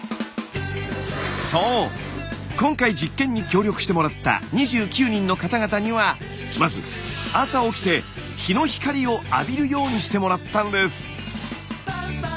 そう今回実験に協力してもらった２９人の方々にはまず朝起きて日の光を浴びるようにしてもらったんです。